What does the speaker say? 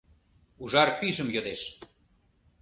Ужар пижым йодеш.